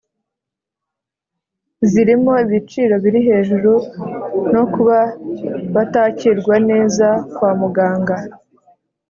zirimo ibiciro biri hejuru no kuba batakirwa neza kwa muganga.